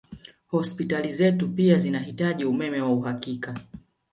Hospitali zetu pia zinahitaji umeme wa uhakika